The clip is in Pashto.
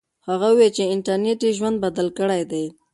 هغه وویل چې انټرنیټ یې ژوند بدل کړی دی.